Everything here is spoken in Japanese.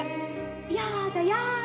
「やだやだ。